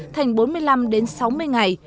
thành bốn mươi năm đến sáu mươi ngày